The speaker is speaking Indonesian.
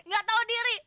gak tahu diri